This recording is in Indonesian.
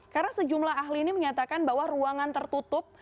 karena sejumlah ahli ini menyatakan bahwa ruangan tertutup